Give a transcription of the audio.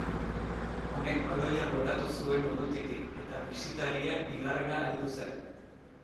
Honek baloia loratu zuen urrutitik eta bisitarien bigarrena heldu zen.